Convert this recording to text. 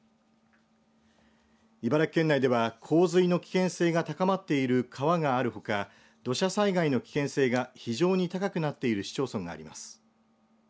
茨城県内では洪水の危険性が高まっている川があるほか土砂災害の危険性が非常に高くなっている市町村があります。